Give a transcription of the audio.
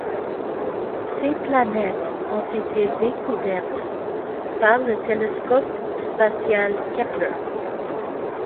Ces planètes ont été découvertes par le télescope spatial Kepler.